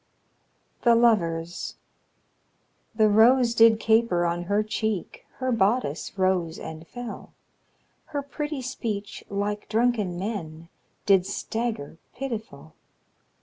THE LOVERS. The rose did caper on her cheek, Her bodice rose and fell, Her pretty speech, like drunken men, Did stagger pitiful.